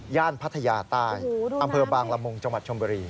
พัทยาใต้อำเภอบางละมุงจังหวัดชมบุรี